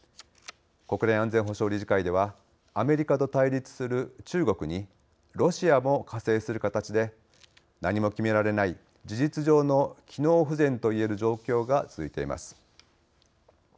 国連安全保障理事会ではアメリカと対立する中国にロシアも加勢する形で何も決められない事実上の機能不全と言える状況が続いています。